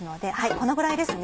このぐらいですね